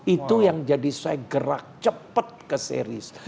itu yang jadi saya gerak cepet ke series